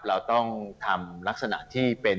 เราต้องทำลักษณะที่เป็น